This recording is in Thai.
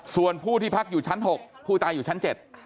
ส่วนผู้ที่พักอยู่ชั้น๖ผู้ตายอยู่ชั้น๗